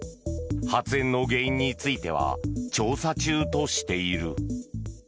発煙の原因については調査中としている。